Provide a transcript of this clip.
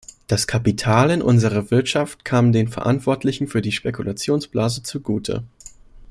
Das Kapital in unserer Wirtschaft kam den Verantwortlichen für die Spekulationsblase zugute.